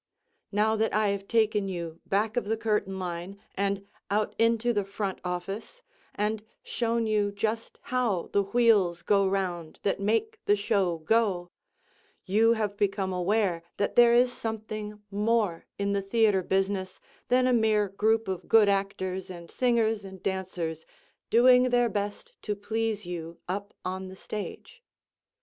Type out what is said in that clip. Now that I have taken you back of the curtain line and out into the front office and shown you just how the wheels go 'round that make the show go, you have become aware that there is something more in the theatre business than a mere group of good actors and singers and dancers doing their best to please you up on the stage.